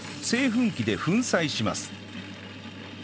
製粉機で粉砕します